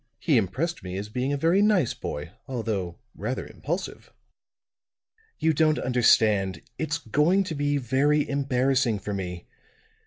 He impressed me as being a very nice boy, although rather impulsive." "You don't understand. It's going to be very embarrassing for me. Mr.